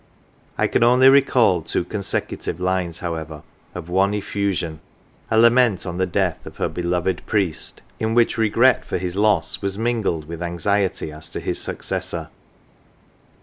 I can only recall two consecutive lines, however, of one effu sion, a lament on the death of her beloved priest, in which regret for his loss was mingled with anxiety as to his successor.